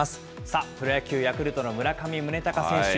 さあ、プロ野球・ヤクルトの村上宗隆選手。